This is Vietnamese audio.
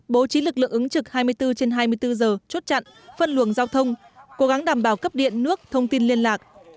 bố trí lực lượng ứng trực hai mươi bốn trên hai mươi bốn giờ chốt chặn phân luồng giao thông cố gắng đảm bảo cấp điện nước thông tin liên lạc